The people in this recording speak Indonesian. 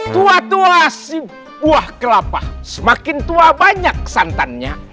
tua tua si kuah kelapa semakin tua banyak santannya